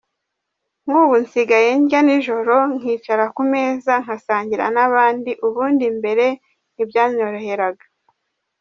Nkubu nsigaye ndya nijoro nkicara ku meza ngasangira n’abandi, ubundi mbere ntibyanyoroheraga.